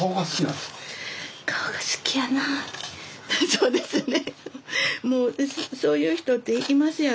そうですね。